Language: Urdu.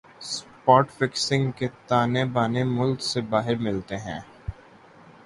اسپاٹ فکسنگ کے تانے بانے ملک سے باہر ملتےہیں